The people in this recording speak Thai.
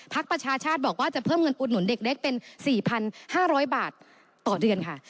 ประชาชาติบอกว่าจะเพิ่มเงินอุดหนุนเด็กเล็กเป็น๔๕๐๐บาทต่อเดือนค่ะ